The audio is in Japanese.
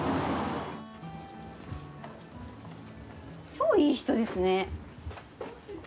超いい人ですね。